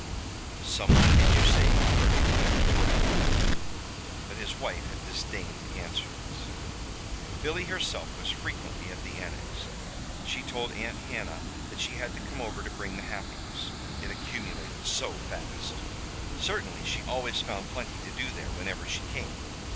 "Some one, did you say?" Bertram had retorted, meaningly; but his wife had disdained to answer this. Billy herself was frequently at the Annex. She told Aunt Hannah that she had to come often to bring the happiness it accumulated so fast. Certainly she always found plenty to do there, whenever she came.